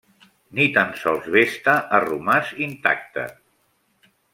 Ni tan sols Vesta ha romàs intacte.